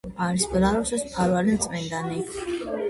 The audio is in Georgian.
არის ბელარუსის მფარველი წმინდანი.